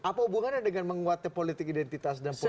apa hubungannya dengan menguatkan politik identitas dan politik sisa